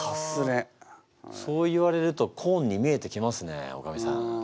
そう言われるとコーンに見えてきますねおかみさん。